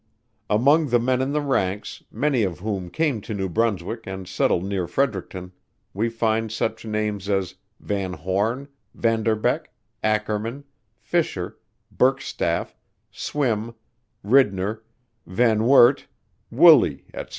Among the men in the ranks many of whom came to New Brunswick and settled near Fredericton we find such names as VanHorne, Vanderbeck, Ackerman, Fisher, Burkstaff, Swim, Ridner, VanWoert, Woolley, etc.